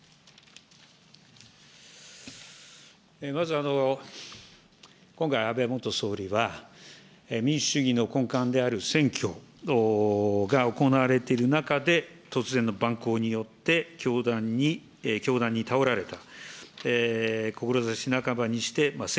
まず、今回、安倍元総理は、民主主義の根幹である選挙が行われている中で、突然の蛮行によって凶弾にたおられた。